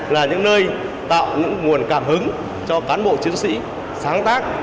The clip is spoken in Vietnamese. là những nơi tạo những nguồn cảm hứng cho cán bộ chiến sĩ sáng tác